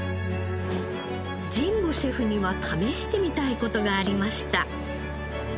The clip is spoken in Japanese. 神保シェフには試してみたい事がありました。